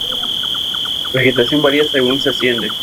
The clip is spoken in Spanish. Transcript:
La vegetación varía según se asciende.